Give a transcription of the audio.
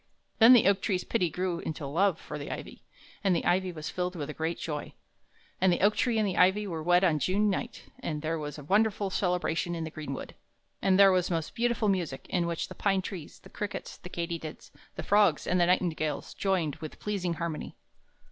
Then the oak tree's pity grew into a love for the ivy, and the ivy was filled with a great joy. And the oak tree and the ivy were wed one June night, and there was a wonderful celebration in the greenwood; and there was most beautiful music, in which the pine trees, the crickets, the katydids, the frogs, and the nightingales joined with pleasing harmony.